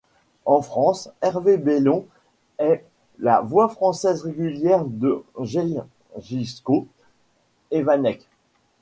En France, Hervé Bellon est la voix française régulière de Željko Ivanek.